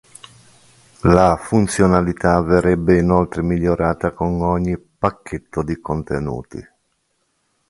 La funzionalità verrebbe inoltre migliorata con ogni "pacchetto di contenuti".